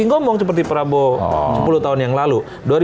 ngomong seperti prabowo sepuluh tahun yang lalu